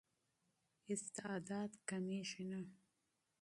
استعداد کمېږي نه.